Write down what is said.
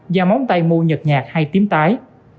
gia móng tay mu nhật nhạt hay tím tái